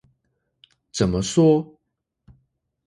怎麼說？